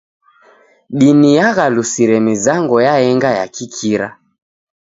Dini yaghalusire mizango yaenga ya kikira.